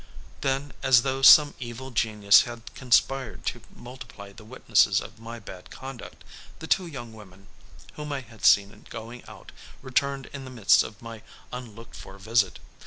Then, as though some evil genius had conspired to multiply the witnesses of my bad conduct, the two young women whom I had seen going out, returned in the midst of my unlooked for visit.